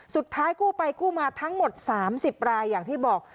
สุดท้ายกู้ไปกู้มาทั้งหมด๓๐รายอย่างที่บอก